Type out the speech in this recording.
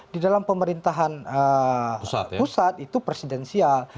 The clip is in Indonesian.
di dalam pemerintahan pusat itu presidensial